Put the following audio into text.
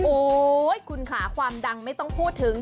โอ๊ยคุณค่ะความดังไม่ต้องพูดถึง